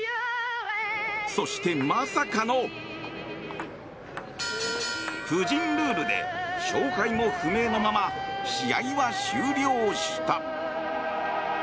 そして、まさかの夫人ルールで勝敗も不明のまま試合は終了した。